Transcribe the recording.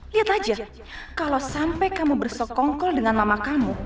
lihat aja kalau sampai kamu bersekongkol dengan mama kamu